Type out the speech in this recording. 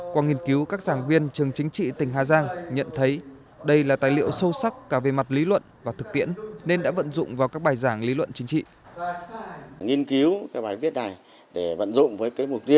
qua nghiên cứu các giảng viên trường chính trị tỉnh hà giang nhận thấy đây là tài liệu sâu sắc cả về mặt lý luận và thực tiễn nên đã vận dụng vào các bài giảng lý luận chính trị